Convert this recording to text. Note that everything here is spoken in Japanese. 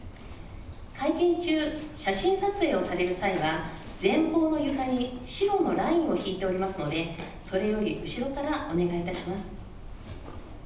会見中、写真撮影をされる際は、前方の床に白のラインを引いておりますので、それより後ろからお願いいたします。